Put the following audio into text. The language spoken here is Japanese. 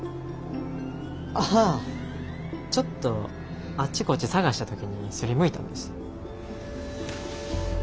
あぁちょっとあっちこっち探した時に擦りむいたんです。